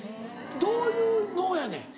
どういうのやねん？